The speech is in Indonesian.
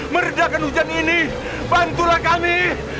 meredakan hujan ini bantulah kami